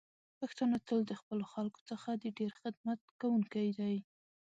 پښتانه تل د خپلو خلکو څخه د ډیر خدمت کوونکی دی.